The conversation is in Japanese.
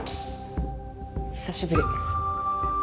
久しぶり。